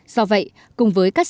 do vậy cùng với các giải phóng